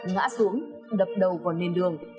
ngã xuống đập đầu vào nền đường